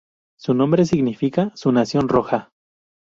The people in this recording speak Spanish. Su nombre significa "Su nación roja".